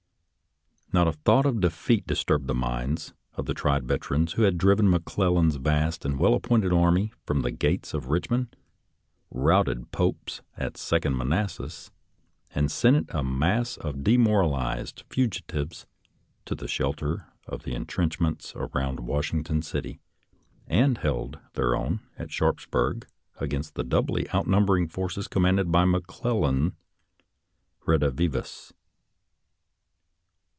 Not a thought of defeat disturbed the minds of the tried veterans who had driven McClellan's vast and well appointed army from the gates of Richmond, routed Pope's at Second Manassas, and sent it a mass of demoralized fugitives to the shelter of the intrenchments around Wash ington City, and had held their own at Sharps burg against the doubly outnumbering forces commanded by McClellan " redivwus."